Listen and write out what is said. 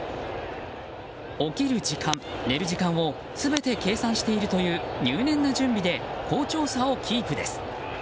起きる時間、寝る時間を全て計算しているという入念な準備で好調さをキープです。